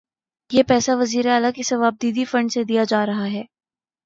یہ پیسہ وزیر اعلی کے صوابدیدی فنڈ سے دیا جا رہا ہے۔